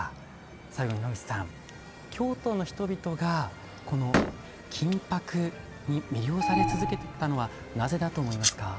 最後に野口さん京都の人々がこの金箔に魅了され続けてきたのはなぜだと思いますか？